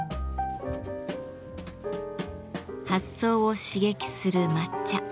発想を刺激する抹茶。